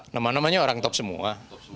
nama namanya orang top semua